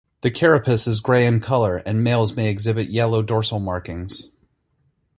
The carapace is grey in color and males may exhibit yellow dorsal markings.